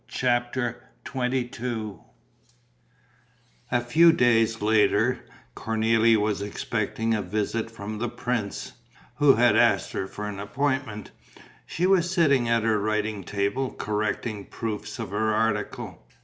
CHAPTER XXII A few days later, Cornélie was expecting a visit from the prince, who had asked her for an appointment. She was sitting at her writing table, correcting proofs of her article.